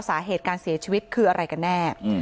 สาเหตุการเสียชีวิตคืออะไรกันแน่